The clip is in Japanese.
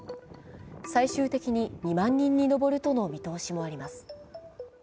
最終的に２万人に上るとの見通しもあります。